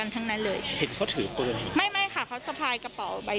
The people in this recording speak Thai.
ที่อยู่กับพวกเดวิท